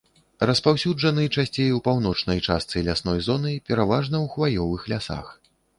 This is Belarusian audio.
Распаўсюджаны часцей у паўночнай частцы лясной зоны, пераважна ў хваёвых лясах.